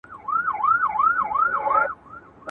زموږ فطرت یې دی جوړ کړی له پسونو له لېوانو ,